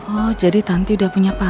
oh jadi tante udah punya pacar